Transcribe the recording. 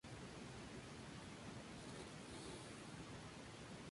La primera campaña de comunicación estuvo inspirada por la sensualidad de Audrey Hepburn.